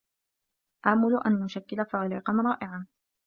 آمل أن نشكّل فريقا رائعا.